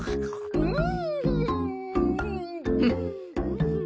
うん。